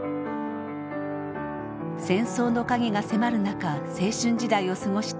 戦争の影が迫る中青春時代を過ごした杉本さん。